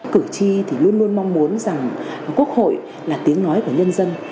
cử tri thì luôn luôn mong muốn rằng quốc hội là tiếng nói của nhân dân